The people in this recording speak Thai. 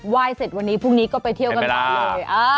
ยเสร็จวันนี้พรุ่งนี้ก็ไปเที่ยวกันได้เลย